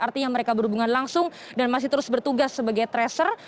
artinya mereka berhubungan langsung dan masih terus bertugas sebagai tracer